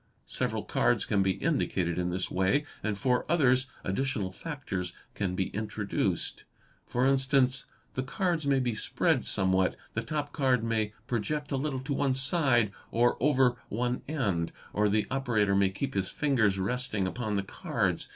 Several cards can be indicated in this way, and for others additional factors can be introduced. For instance, the cards may be spread somewhat, the top card may project a little to one side or over one end, or the operator may keep his fingers resting upon the cards.